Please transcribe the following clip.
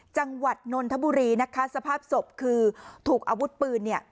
จังหวัดนนทบุรีนะคะสภาพศพคือถูกอาวุธปืนเนี่ย